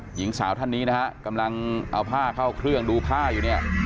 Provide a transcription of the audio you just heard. หญิงสาวท่านนี้นะฮะกำลังเอาผ้าเข้าเครื่องดูผ้าอยู่เนี่ย